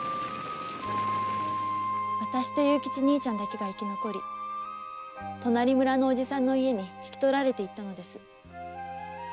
私と勇吉兄ちゃんだけが生き残り隣村の叔父さんの家に引き取られていったのです。